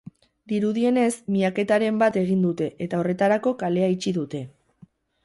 Dirudienez, miaketaren bat egin dute, eta horretarako kalea itxi dute.